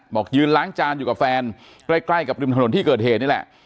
บอกยืนล้างจานอยู่กับแฟนใกล้กับริมถนนที่เกิดเหตุนี่แหละ